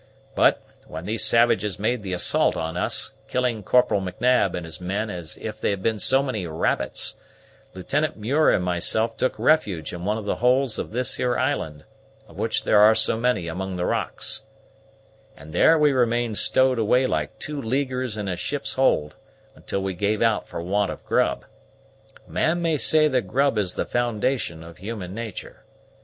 But, when these savages made the assault on us, killing Corporal M'Nab and his men as if they had been so many rabbits, Lieutenant Muir and myself took refuge in one of the holes of this here island, of which there are so many among the rocks, and there we remained stowed away like two leaguers in a ship's hold, until we gave out for want of grub. A man may say that grub is the foundation of human nature.